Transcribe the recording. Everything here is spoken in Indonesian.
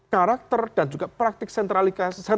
karakter dan juga praktik sentralisasi